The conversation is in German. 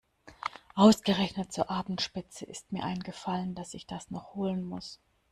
Ausgerechnet zur Abendspitze ist mir eingefallen, dass ich das noch holen muss.